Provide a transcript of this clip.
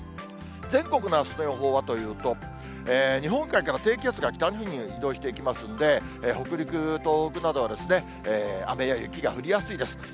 全国の予報はというと、日本海から低気圧が北日本に移動してきますので、北陸、東北などは雨や雪が降りやすいです。